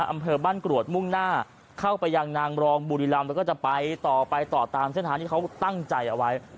มันก็จะไปต่อไปต่อตามเส้นทางที่เขาตั้งใจเอาไว้